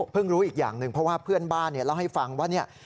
เพิ่งรู้อีกอย่างนะเพราะว่าเพื่อนบ้านเล่าให้ฟังว่า